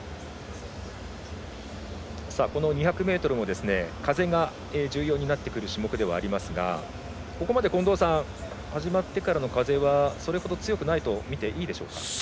この２００ｍも風が重要になる種目ではありますがここまで近藤さん始まってからの風はそれほど強くないと見ていいでしょうか。